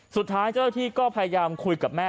สุดท้ายเจ้าตัวที่ก็พยายามคุยกับแม่